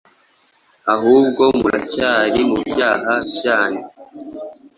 ahubwo muracyari mu byaha byanyu.